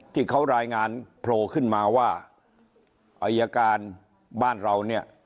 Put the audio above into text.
ที่เขารายงานโผล่ขึ้นมาว่าอายการบ้านเราเนี่ย